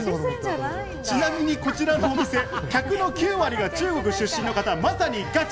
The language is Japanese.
ちなみにこちらのお店、客の９割が中国出身の方、まさにガチ。